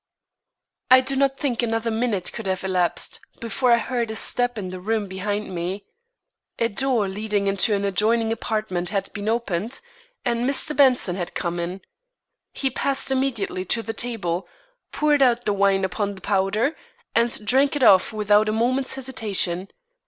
I do not think another minute could have elapsed, before I heard a step in the room behind me. A door leading into an adjoining apartment had opened and Mr. Benson had come in. He passed immediately to the table, poured out the wine upon the powder, and drank it off without a moment's hesitation.